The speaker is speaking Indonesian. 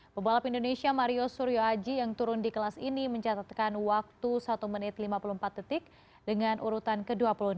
pebalap indonesia mario suryo aji yang turun di kelas ini mencatatkan waktu satu menit lima puluh empat detik dengan urutan ke dua puluh enam